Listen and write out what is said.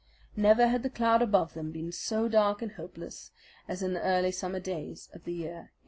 Never had the cloud above them been so dark and hopeless as in the early summer of the year 1875.